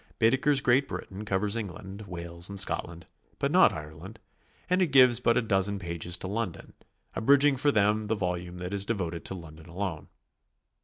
Baedeker's Great Britain covers England, Wales and Scotland, but not Ireland; and it gives but a dozen pages to London, abridging for them the volume that is devoted to London alone.